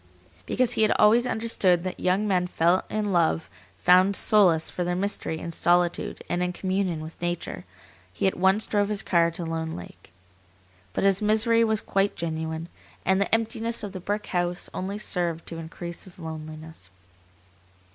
Because he had always understood that young men in love found solace for their misery in solitude and in communion with nature, he at once drove his car to Lone Lake. But his misery was quite genuine, and the emptiness of the brick house only served to increase his loneliness.